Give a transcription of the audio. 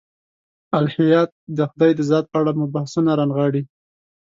الهیات د خدای د ذات په اړه مبحثونه رانغاړي.